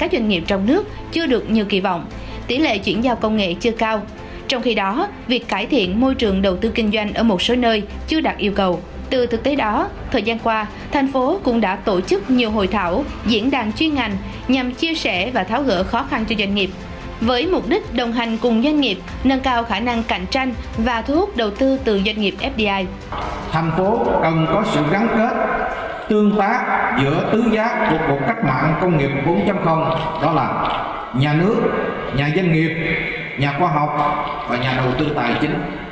thành phố cần có sự gắn kết tương tác giữa tứ giác của cuộc cách mạng công nghiệp bốn đó là nhà nước nhà doanh nghiệp nhà khoa học và nhà đầu tư tài chính